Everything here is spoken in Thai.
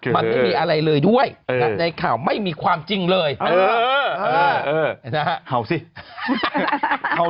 มันไม่มีอะไรเลยด้วยแต่ในข่าวไม่มีความจริงเลยเออเออเออเออเออเออเออเออเออเออ